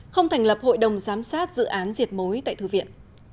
không thành lập hội đồng giám sát dự án diệt mối tại thư viện